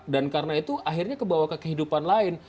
dan karena itu akhirnya kebawa ke kehidupan lain